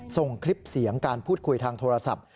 ส่งคลิปเสียงการพูดคุยทางโทรศัพท์